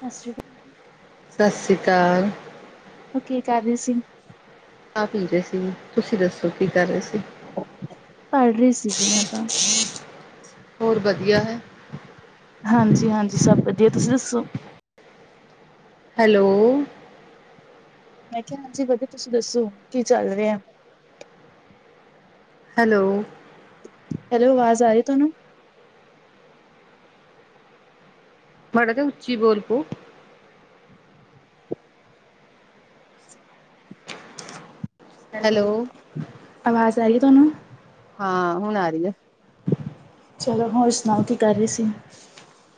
ਸਤਿ ਸ਼੍ਰੀ ਅਕਾਲ ਸਤਿ ਸ਼੍ਰੀ ਅਕਾਲ ਉਹ ਕੀ ਕਰ ਰਹੇ ਸੀ। ਚਾਹ ਪੀ ਰਹੇ ਸੀ ਤੁਸੀਂ ਦੱਸੋ ਕੀ ਕਰ ਰਹੇ ਸੀ। ਪੜ੍ਹ ਰਹੀ ਸੀ ਜੀ ਮੈਂ ਤਾਂ। ਹੋਰ ਵਧੀਆ ਹੈ। ਹਾਂਜੀ ਹਾਂਜੀ ਸਭ ਵਧੀਆ ਤੁਸੀਂ ਦੱਸੋ ਹੈਲੋ ਮੈਂ ਕਿਹਾ ਹਾਂਜੀ ਵਧੀਆ ਤੁਸੀਂ ਦੱਸੋ ਕੀ ਚੱਲ ਰਿਹਾ ਹੈਲੋ ਹੈਲੋ ਆਵਾਜ਼ ਆ ਰਹੀ ਤੁਹਾਨੂੰ ਮਾੜਾ ਤਾਂ ਉੱਚੀ ਬੋਲ ਪੋ [inaudible] ਹੈਲੋ, ਆਵਾਜ਼ ਆ ਰਹੀ ਹੈ ਤੁਹਾਨੂੰ ਹਾਂ ਹੁਣ ਆ ਰਹੀ ਹੈ। ਚਲੋ ਹੋਰ ਸੁਣਾਓ ਕੀ ਕਰ ਰਹੀ ਸੀ।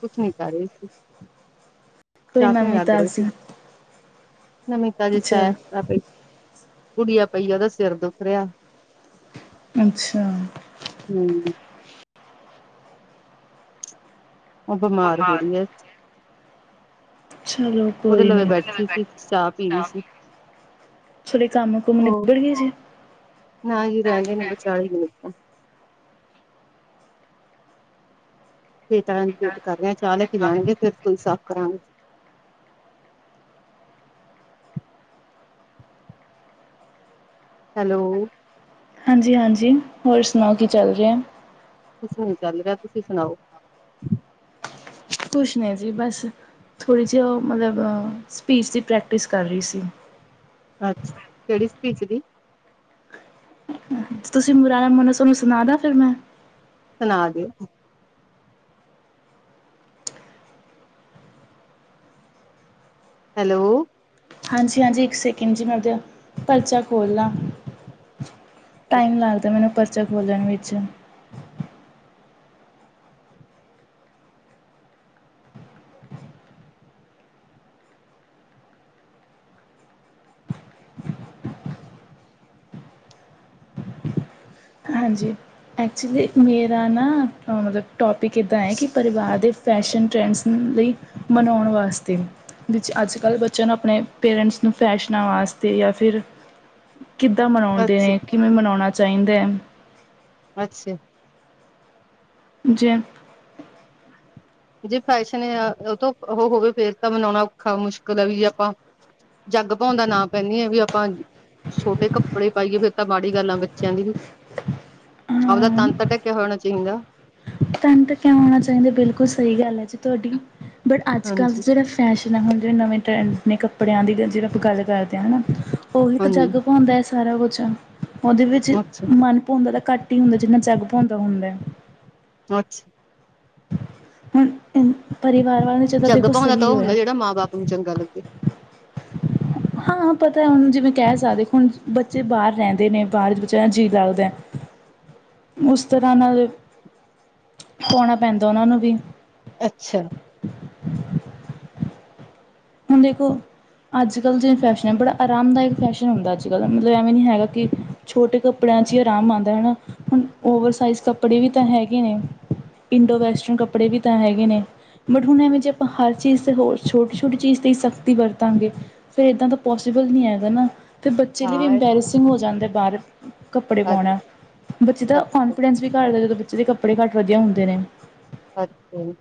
ਕੁਛ ਨੀ ਕਰ ਰਹੇ ਸੀ ਕੋਈ ਚਾਹ ਪੀਣ ਨਵੀਂ ਲੱਗ ਰਹੇ ਤਾਜ਼ੀ ਸੀ। ਨਮਿਤ ਕੇ ਸੈਰ ਚਲ ਕੁੜੀਆਂ ਪਈ ਉਹਦਾ ਸਿਰ ਦੁੱਖ ਰਿਹਾ ਅੱਛਾ। ਹੂ ਉਹ ਬਿਮਾਰ ਹੋ ਰਹਿ ਹੈ। ਚਲੋ ਉਹਦੇ ਕੋਈ ਲਵੇ ਨੀ ਬੈਠੀ ਸੀ, ਚਾਹ ਪੀ ਰਹੀ ਸੀ, ਥੋੜੇ ਕੰਮ ਕੁਮ ਹੋਰ ਨਿੱਬੜ ਗਏ ਜੇ ਨਾ ਹੀ ਰਹਿੰਦੇ ਨੇ ਵਿਚਾਲੇ ਹੀ ਰੋਕ ਤਾ ਵਿਚਾਰਾ ਵੇਟ ਕਰ ਰਿਹਾ ਚਾਰੇ ਧੀ ਆਣਗੀਆਂ ਫਿਰ ਕੋਈ ਸਾਫ ਕਰਾਂਗੇ। ਹੈਲੋ ਹਾਂਜੀ, ਹਾਂਜੀ ਹੋਰ ਸੁਣਾਓ ਕੀ ਚੱਲ ਰਿਹਾ? ਕੁਛ ਨੀ ਚੱਲ ਰਿਹਾ ਤੁਸੀਂ ਸੁਣਾਓ? ਕੁਛ ਨਹੀਂ ਜੀ ਬਸ ਥੋੜ੍ਹੀ ਜਿਹੀ ਉਹ ਮਤਲਬ ਸਪੀਚ ਦੀ ਪ੍ਰੈਕਟਿਸ ਕਰ ਰਹੀ ਸੀ। ਅੱਛਾ ਕਿਹੜੀ ਸਪੀਚ ਦੀ? ਤੁਸੀਂ ਬੁਰਾ ਨਾ ਮੰਨੋ ਤੁਹਾਨੂੰ ਸੁਣਾਦਾ ਫਿਰ ਮੈਂ? ਸੁਣਾ ਦਿਓ ਹੈਲੋ ਹਾਂਜੀ, ਹਾਂਜੀ ਇੱਕ ਸੈਕਿੰਡ ਜੀ ਮੈਂ ਆਪਦਾ ਪਰਚਾ ਖੋਲ੍ਹ ਲਾਂ। ਟਾਈਮ ਲੱਗਦਾ ਮੈਨੂੰ ਪਰਚਾ ਖੋਲਣ ਵਿੱਚ ਹਾਂਜੀ ਐਕਚੁਅਲੀ ਮੇਰਾ ਨਾ ਮਤਲਬ ਟੋਪਿਕ ਇੱਦਾਂ ਹੈ ਕਿ ਪਰਿਵਾਰ ਦੇ ਫੈਸ਼ਨ ਟਰੈਂਡਸ ਲਈ ਮਨਾਉਣ ਵਾਸਤੇ ਵਿੱਚ ਅੱਜ ਕੱਲ੍ਹ ਬੱਚਿਆਂ ਨੂੰ ਆਪਣੇ ਪੇਰੈਂਟਸ ਨੂੰ ਫੈਸ਼ਨਾਂ ਵਾਸਤੇ ਜਾਂ ਫਿਰ ਕਿੱਦਾਂ ਮਨਾਉਂਦੇ ਅੱਛਾ ਨੇ ਕਿਵੇਂ ਮਨਾਉਣਾ ਚਾਹੀਦਾ ਹੈ। ਅੱਛਾ ਜੇ ਜੇ ਫੈਸ਼ਨ ਆ ਉਹ ਤੋਂ ਉਹ ਹੋਵੇ ਫੇਰ ਤਾਂ ਮਨਾਉਣਾ ਔਖਾ ਮੁਸ਼ਕਿਲ ਆ ਵੀ ਜੇ ਆਪਾਂ ਜੱਗ ਭਾਉਂਦਾ ਨਾ ਪਹਿਣੀਏ ਵੀ ਆਪਾਂ ਛੋਟੇ ਕੱਪੜੇ ਪਾਈਏ ਫੇਰ ਤਾਂ ਮਾੜੀ ਗੱਲ ਆ ਬੱਚਿਆਂ ਦੀ ਵੀ ਆਪਦਾ ਤਨ ਤਾਂ ਢਕਿਆ ਹੋਇਆ ਹੋਣਾ ਚਾਹੀਦਾ। ਤਨ ਢੱਕਿਆ ਹੋਣਾ ਚਾਹੀਦਾ ਬਿਲਕੁਲ ਸਹੀ ਗੱਲ ਹੈ ਜੀ ਤੁਹਾਡੀ ਬਟ ਅੱਜ ਕੱਲ੍ਹ ਹਾਂਜੀ ਸਿਰਫ਼ ਫੈਸ਼ਨ ਹੈ ਹੁਣ ਜਿਵੇਂ ਨਵੇਂ ਟਰੈਂਡ ਨੇ ਕੱਪੜਿਆਂ ਦੀ ਜਿਹਵੇਂ ਆਪਾਂ ਗੱਲ ਕਰਦੇ ਹਾਂ ਹੈ ਨਾ ਉਹੀ ਇੱਕ ਹਾਂਜੀ ਜੱਗ ਭਾਉਂਦਾ ਸਾਰਾ ਕੁਛ ਉਹਦੇ ਵਿੱਚ ਅੱਛਾ ਮਨ ਭਾਉਂਦਾ ਤਾਂ ਘੱਟ ਘੱਟ ਹੀ ਹੁੰਦਾ ਜਿੰਨਾ ਜੱਗ ਭਾਉਂਦਾ ਹੁੰਦਾ ਹੈ। ਅੱਛਾ ਹੁਣ ਪਰਿਵਾਰ ਵਾਲਿਆਂ ਨੂੰ ਜਦੋਂ ਜੱਗ ਦੇਖੋ ਭਾਉਂਦਾ ਤਾਂ ਸਹੀ ਉਹ ਹੋਇਆ। ਹੁੰਦਾ ਜਿਹੜਾ ਮਾਂ ਬਾਪ ਨੂੰ ਚੰਗਾ ਲੱਗੇ ਹਾਂ ਪਤਾ ਹੁਣ ਜਿਵੇਂ ਕਹਿ ਸਕਦੇ ਹੁਣ ਬੱਚੇ ਬਾਹਰ ਰਹਿੰਦੇ ਨੇ ਬਾਹਰ ਬੱਚਿਆਂ ਦਾ ਜੀਅ ਲੱਗਦਾ। ਉਸ ਤਰ੍ਹਾਂ ਨਾਲ ਪਾਉਣਾ ਪੈਂਦਾ ਉਹਨਾਂ ਨੂੰ ਵੀ ਅੱਛਾ ਹੁਣ ਦੇਖੋ ਅੱਜ ਕੱਲ੍ਹ ਜਿਹੜਾ ਫੈਸ਼ਨ ਹੈ ਬੜਾ ਆਰਾਮਦਾਇਕ ਫੈਸ਼ਨ ਹੁੰਦਾ ਅੱਜ ਕੱਲ੍ਹ ਮਤਲਬ ਐਵੇਂ ਨਹੀਂ ਹੈਗਾ ਕਿ ਛੋਟੇ ਕੱਪੜਿਆਂ 'ਚ ਹੀ ਆਰਾਮ ਆਉਂਦਾ ਹੈ ਨਾ ਹੁਣ ਓਵਰਸਾਈਜ਼ ਕੱਪੜੇ ਵੀ ਤਾਂ ਹੈਗੇ ਨੇ ਇੰਡੋ ਵੈਸਟਰਨ ਕੱਪੜੇ ਵੀ ਤਾਂ ਹੈਗੇ ਨੇ ਬਟ ਹੁਣ ਐਵੇਂ ਜੇ ਆਪਾਂ ਹਰ ਚੀਜ਼ ਹੋਛ ਹੋਛ। ਛੋਟੀ ਚੀਜ਼ 'ਤੇ ਹੀ ਸਖ਼ਤੀ ਵਰਤਾਂਗੇ ਫਿਰ ਇੱਦਾਂ ਤਾਂ ਪੋਸੀਬਲ ਨਹੀਂ ਹੈਗਾ ਨਾ ਅਤੇ ਬੱਚੇ ਲਈ ਵੀ ਹਾਂ ਇੰਬੈਰਸ ਹੋ ਜਾਂਦਾ ਬਾਹਰ ਕੱਪੜੇ ਅੱਛਾ ਪਾਉਣਾ ਬੱਚੇ ਦਾ ਅੱਛਾ ਕੋਂਨਫੀਡੈਂਸ ਵੀ ਘੱਟਦਾ ਜਦੋਂ ਜਿਦੇ ਕੱਪੜੇ ਘੱਟ ਵਧੀਆ ਹੁੰਦੇ ਨੇ ਅੱਛਾ ਜੀ।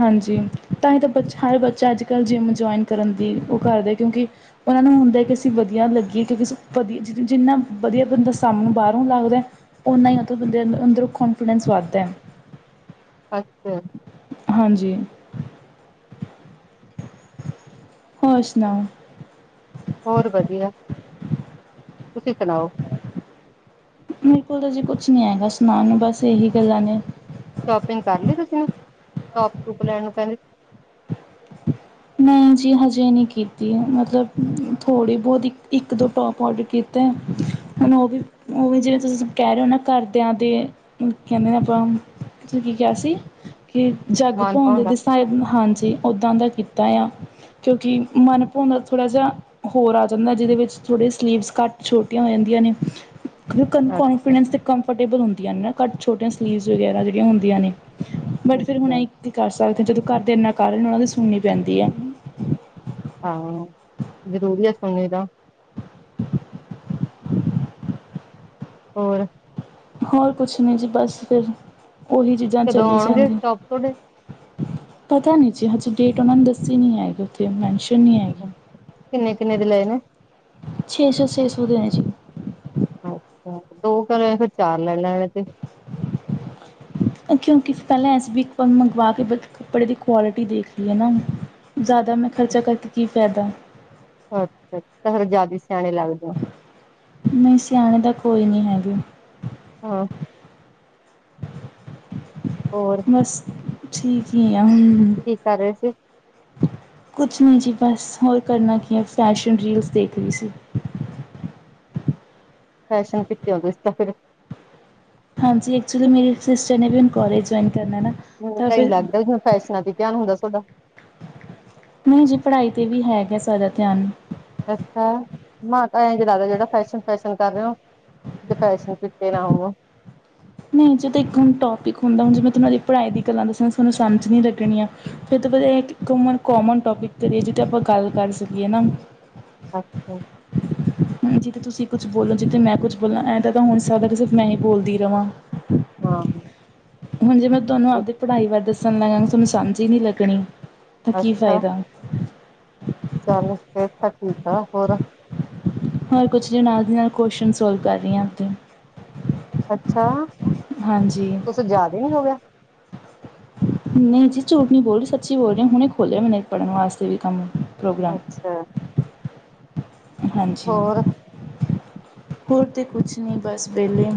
ਹਾਂਜੀ ਤਾਂ ਹੀ ਤਾਂ ਆਪਾਂ ਹਰ ਬੱਚੇ ਚ ਅੱਜ ਕੱਲ੍ਹ ਜਿੰਮ ਜੁਆਇਨ ਕਰਨ ਦੀ ਉਹ ਕਰਦੇ ਕਿਉਂਕਿ ਉਹਨਾਂ ਨੂੰ ਹੁੰਦਾ ਕਿ ਅਸੀਂ ਵਧੀਆ ਲੱਗੀਏ ਕਿਉਂਕਿਂ ਵਧੀਆ ਜ ਜਿੰਨਾ ਵਧੀਆ ਬੰਦਾ ਸਬ ਨੂੰ ਬਾਹਰੋਂ ਲੱਗਦਾ ਓਨਾ ਹੀ ਉਹਦਾ ਬੰਦੇ ਅੰ ਅੰਦਰੋਂ ਕੋਂਨਫੀਡੈਂਸ ਵੱਧਦਾ ਹੈ। ਅੱਛਾ। ਹਾਂਜੀ ਹੋਰ ਸੁਣਾਓ ਹੋਰ ਵਧੀਆ ਤੁਸੀਂ ਸੁਣਾਓ ਮੇਰੇ ਕੋਲ ਤਾਂ ਜੀ ਕੁਛ ਨੀ ਹੈਗਾ ਸੁਣਾਉਣ ਨੂੰ ਬਸ ਇਹੀ ਗੱਲਾਂ ਨੇ ਸ਼ੋਪਿੰਗ ਕਰ ਲੀ ਤੁਸੀਂ ਟੋਪ ਟੂਪ ਲੈਣ ਨੂੰ ਕਹਿੰਦੇ ਮੈਂ ਜੀ ਹਜੇ ਨਹੀਂ ਕੀਤੀ ਮਤਲਬ ਥੋੜ੍ਹੀ ਬਹੁਤ ਇੱਕ ਇੱਕ ਦੋ ਟੋਪ ਔਡਰ ਕੀਤੀ ਤੇ ਹੁਣ ਉਹ ਵੀ ਉਹ ਵੀ ਜਿਵੇਂ ਤੁਸੀਂ ਕਹਿ ਰਹੇ ਹੋ ਨਾ ਘਰਦਿਆਂ ਦੇ ਕਹਿੰਦੇ ਨੇ ਆਪਾਂ ਕੀ ਕਿਹਾ ਸੀ ਕਿ ਜਗ ਮਨ ਭੋਦੇ ਭਾਉਂਦਾ ਤੇ ਸਾਹਿਬ ਹਾਂਜੀ ਉਓਦਾਂ ਦਾ ਕੀਤਾ ਤਾਂ ਆ ਕਿਉਂਕਿ ਮਨ ਭਉਂਦਾ ਥੋੜ੍ਹਾ ਜਿਹਾ ਹੋਰ ਆ ਜਾਂਦਾ ਜਿਹਦੇ ਵਿੱਚ ਥੋੜ੍ਹੇ ਸਲੀਵਸ ਘੱਟ ਛੋਟੀਆਂ ਹੋ ਜਾਂਦੀਆਂ ਨੇ ਕਿ ਅੱਛਾ ਕੋਂਨਫੀਡੈਂਸ ਅਤੇ ਕੰਫਰਟੇਬਲ ਹੁੰਦੀਆਂ ਨੇ ਨਾ ਘੱਟ ਛੋਟੀਆਂ ਸਲੀਵਸ ਵਗੈਰਾ ਜਿਹੜੀਆਂ ਹੁੰਦੀਆਂ ਨੇ ਬਟ ਫਿਰ ਹੁਣ ਅੱਛਾ ਇਂ ਕੀ ਕਰ ਸਕਦੇ ਹ ਜਦੋਂ ਘਰ ਦੇ ਇੰਨਾ ਕਾਰਨ ਉਹਨਾਂ ਦੀ ਸੁਣਨੀ ਪੈਂਦੀ ਹੈ ਹਾਂ ਜ਼ਰੂਰੀ ਆ ਸੁਣਣੀ ਦਾ ਹੋਰ ਹੋਰ ਕੁਛ ਨਹੀਂ ਜੀ ਬਸ ਫਿਰ ਉਹੀ ਚੀਜ਼ਾਂ ਕਦੋਂ ਚੱਲ ਆਉਣਗੇ ਜਾਣਗੇ ਟੋਪ ਤੁਹਾਡੇ ਪਤਾ ਨਹੀਂ ਜੀ ਹਜੇ ਡੇਟ ਉਹਨਾਂ ਨੇ ਦੱਸੀ ਨਹੀਂ ਹੈਗੀ ਉੱਥੇ ਮੈਨਸ਼ਨ ਨਹੀਂ ਹੈਗੀ ਕਿੰਨੇ ਕਿੰਨੇ ਦੇ ਲਏ ਨੇ ਛੇਸੋ ਛੇਸੋ ਦੇ ਆਏ ਜੀ ਅੱਛਾ ਦੋ ਘ ਫਿਰ ਚਾਰ ਲੈ ਲੈਣੇ ਤੇ [unintelligible] ਕਿਉਂਕਿ ਪਹਿਲਾਂ ਐਸੀ ਵੀਕ਼ ਇੱਕ ਵਾਰ ਮੰਗਵਾ ਕੇ ਬ ਕੱਪੜੇ ਦੀ ਕੁਆਲਿਟੀ ਦੇਖ ਲਈਏ ਨਾ ਜ਼ਿਆਦਾ ਮੈਂ ਖਰਚਾ ਕਰਕੇ ਕੀ ਫੈਦਾ ਅੱਛਾ ਤਾਂ ਫਿਰ ਜ਼ਿਆਦਾ ਸਿਆਣੇ ਲੱਗ ਜਾਓ ਨਹੀਂ ਸਿਆਣੇ ਦਾ ਕੋਈ ਨਹੀਂ ਹੈਗੇ ਹਾਂ ਹੋਰ ਬਸ ਠੀਕ ਹੀ ਆ ਹਮ ਕੀ ਕਰ ਰਹੇ ਸੀ ਕੁਛ ਨਹੀਂ ਜੀ ਬਸ ਹੋਰ ਕਰਨਾ ਕੀ ਹੈ ਫੈਸ਼ਨ ਰੀਲਸ ਦੇਖ ਰਹੀ ਸੀ ਫੈਸ਼ਨ ਕਿਤੇ ਹੋਦੇ ਸੀ ਤਾਂ ਫਿਰ ਹਾਂਜੀ ਐਕਚੁਲੀ ਮੇਰੀ ਸਿਸਟਰ ਨੇ ਵੀ ਹੁਣ ਕੋਲੇਜ ਜੁਆਇਨ ਕਰਨਾ ਨਾ ਹਮ ਤਾਂ ਤਾਂਇ ਫਿਰ ਲੱਗਦਾ ਹੁਣ ਫੈਸ਼ਨਾਂ ਤੇ ਧਿਆਨ ਹੁੰਦਾ ਤੁਹਾਡਾ ਨਹੀਂ ਜੀ ਪੜ੍ਹਾਈ ਤੇ ਵੀ ਹੈਗਾ ਸਾਰਾ ਧਿਆਨ ਅੱਛਾ ਮਾਂ ਤਾਂ ਐਂਜ ਲਗਦਾ ਜਿਹੜਾ ਫੈਸ਼ਨ ਫੈਸ਼ਨ ਕਰ ਰਹੇ ਹੋ ਫੈਸ਼ਨ ਦਿੱਤੇ ਨਾ ਉਹ ਨਹੀਂ ਜੇ ਤਾਂ ਇੱਕ ਹੁਣ ਟੋਪਿਕ ਹੁੰਦਾ ਹੁਣ ਜਿਵੇੈਂ ਤੁ ਉਹਨਾਂ ਦੀ ਪੜ੍ਹਾਈ ਦੀ ਗੱਲਾਂ ਦੱਸੀਆਂ ਤੁਾਨੂੰ ਸਮਝ ਨਹੀਂ ਲੱਗਣੀਆਂ ਫਿਰ ਤੋਂ ਪਤਾ ਇਹ ਕਿ ਇੱਕ ਕੋਮਨ ਟੋਪਿਕ ਕਰੀਏ ਜਿਤੇ ਆਪਾਂ ਗੱਲ ਕਰ ਸਕੀਏ ਨਾ ਅੱਛਾ ਜਿੱਥੇ ਤੁਸੀਂ ਕੁਛ ਬੋਲੋ ਜਿੱਥੇ ਮੈਂ ਕੁਛ ਬੋਲਾਂ ਐਦ ਤਾਂ ਹੋ ਨਹੀਂ ਸਕਦਾ ਕਿ ਸਿਰਫ ਮੈਂ ਹੀ ਬੋਲਦੀ ਰਵਾਂ ਹਾਂ ਹੁਣ ਜੇ ਮੈਂ ਤੁਹਾਨੂੰ ਆਪਦੀ ਪੜ੍ਹਾਈ ਬਾਰੇ ਦੱਸਣ ਲੱਗਾਂਗੀ ਤੁਹਾਨੂੰ ਸਮਾਂਝ ਹੀ ਨਹੀਂ ਲੱਗਣੀ ਤਾਂ ਕੀ ਅੱਛਾ ਫਾਇਦਾ ਚੱਲ ਫੇਰ ਤਾਂ ਠੀਕ ਆ ਹੋਰ ਹੋਰ ਕੁਛ ਜਿ ਨਾਲ ਦੀ ਨਾਲ ਕੁਸ਼ਚਨ ਸੋਲਵ ਕਰ ਰਹੀ ਹਾਂ ਉੱ ਅਤੇ ਅੱਛਾ, ਕੁਛ ਜ਼ਿਆਦੇ ਨੀ ਹੋ ਗਿਆ- ਨਹੀਂ ਜੀ, ਝੂਠ ਨੀ ਬੋਲ ਰਹੀ, ਸੱਚੀ ਬੋਲ ਰਹੀ ਹੁਣ ਇਹ ਖੋਲਿਆ ਮੈ ਪੜ੍ਹਨ ਵਾਸਤੇ ਵੀ ਕੰਮ! ਪ੍ਰੋਗਰਾਮ ਅੱਛਾ- ਹਾਂਜੀ, ਹੋਰ ਹੋਰ ਤੇ ਕੁਛ ਨਹੀਂ, ਬਸ ਵਿਹਲੇ-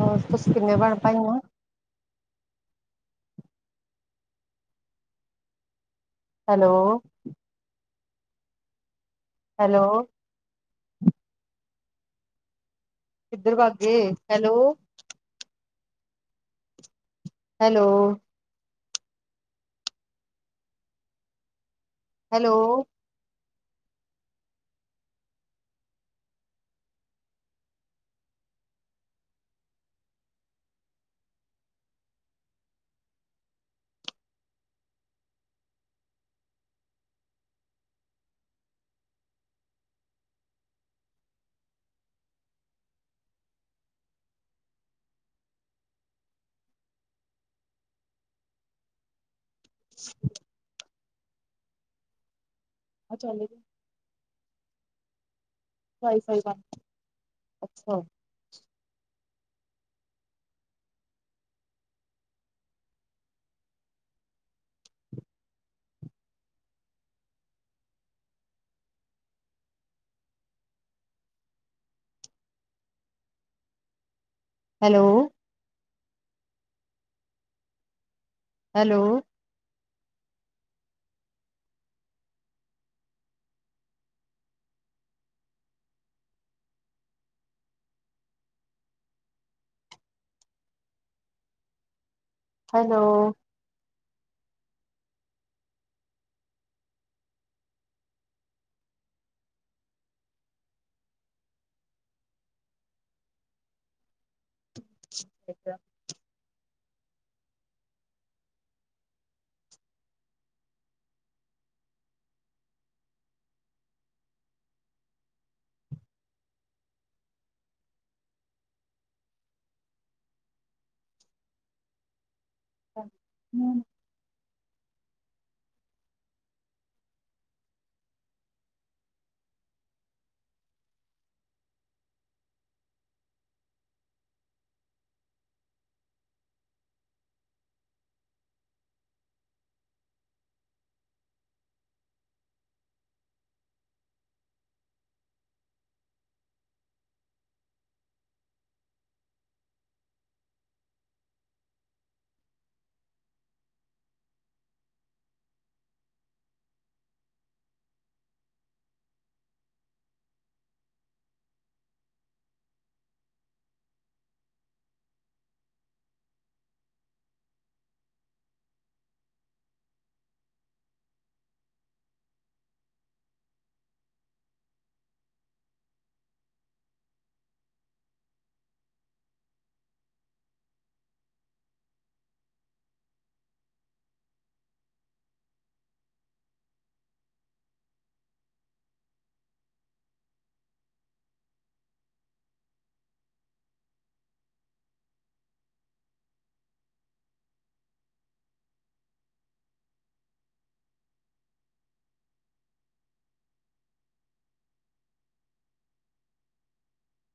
ਹੋਰ ਤੁਸੀਂ ਕਿੰਨੇ ਭੈਣ ਭਾਈਆਂ- ਹੈਲੋ- ਹੈਲੋ- ਕਿੱਧਰ ਵਗਗੇ, ਹੈਲੋ ਹੈਲੋ- ਹੈਲੋ - [inaudible] ਆ ਚਲੇ- ਵਾਈ ਫਾਈ ਦਾ, ਅੱਛਾ- ਹੈਲੋ- ਹੈਲੋ ਹੈਲੋ ਅ ਅੱਛਾ ਹ ਹਮ